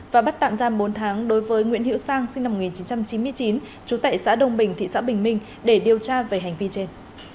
và bắt tạm giam bốn tháng đối với nguyễn hiệu sang sinh năm một nghìn chín trăm chín mươi chín trú tại xã đông bình thị xã bình minh để điều tra về hành vi trên